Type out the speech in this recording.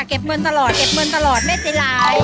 เก็บเงินตลอดเก็บเงินตลอดไม่เสียราย